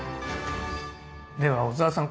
では小澤さん